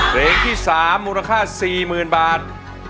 เพลงที่๓มูลค่า๔๐๐๐บาท